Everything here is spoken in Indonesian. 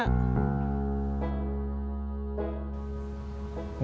terus kita mau cari uang dari mana